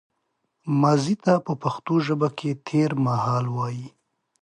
ماضي ته په پښتو ژبه کې تېرمهال وايي